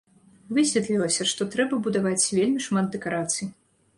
Высветлілася, што трэба будаваць вельмі шмат дэкарацый.